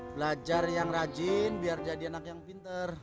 belajar yang rajin biar jadi anak yang pinter